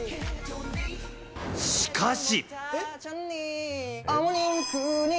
しかし。